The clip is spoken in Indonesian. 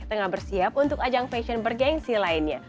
tengah bersiap untuk ajang fashion bergensi lainnya